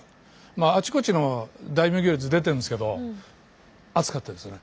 あちこちの大名行列出てるんですけど熱かったですよね。